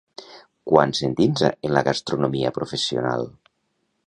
Quan s'endinsa en la gastronomia professional?